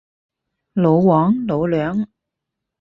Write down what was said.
老黃，老梁